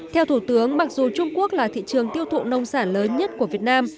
theo thủ tướng mặc dù trung quốc là thị trường tiêu thụ nông sản lớn nhất của việt nam